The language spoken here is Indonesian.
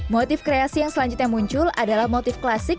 motif kreasi yang selanjutnya muncul adalah motif klasik